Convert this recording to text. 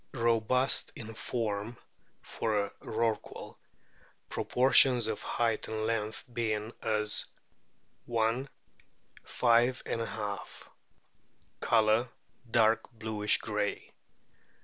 Robust in form (for a Rorqual), proportions of height and length being as i : 5^. Colour dark bluish grey.